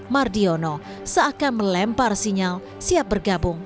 mardiono seakan melempar sinyal siap bergabung